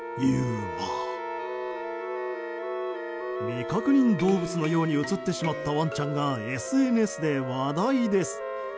未確認動物のように写ってしまったワンちゃんがＳＮＳで話題です。